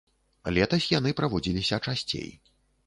Летась яны праводзіліся часцей.